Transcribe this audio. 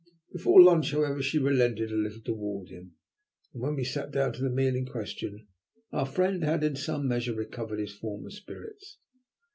Before lunch, however, she relented a little towards him, and when we sat down to the meal in question our friend had in some measure recovered his former spirits.